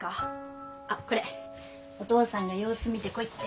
あっこれお父さんが様子見てこいって。